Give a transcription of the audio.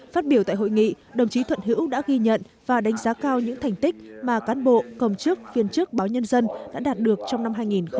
phát biểu tại hội nghị đồng chí thuận hữu đã ghi nhận và đánh giá cao những thành tích mà cán bộ công chức viên chức báo nhân dân đã đạt được trong năm hai nghìn một mươi tám